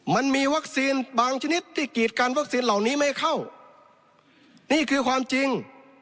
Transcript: มันมีวัคซีนบางชนิดที่กีดกันวัคซีนเหล่านี้ไม่เข้านี่คือความจริง